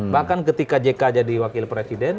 bahkan ketika jk jadi wakil presiden